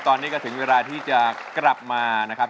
ตอนนี้ก็ถึงเวลาที่จะกลับมานะครับ